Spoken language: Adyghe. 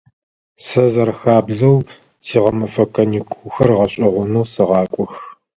Сэ зэрэхабзэу сигъэмэфэ каникулхэр гъэшӏэгъонэу сэгъакӏох.